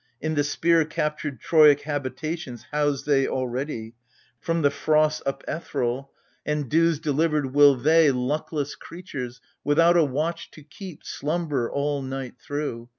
In the spear captured Troic habitations House they already : from the frosts upsethral 30 AGAMEMNON, And dews delivered, will they, luckless creatures, Without a watch to keep, slumber all night through.